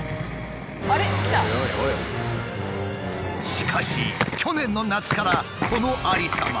しかし去年の夏からこのありさま。